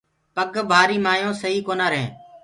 پگ ڀآري مآيونٚ سئي ڪونآ رهينٚ۔